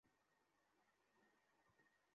আপনি যে ডোনেশন চেয়েছিলেন।